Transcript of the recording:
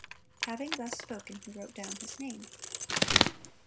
Having thus spoken, he wrote down his name.